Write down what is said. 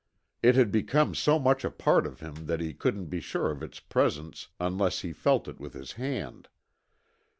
It had become so much a part of him that he couldn't be sure of its presence unless he felt it with his hand.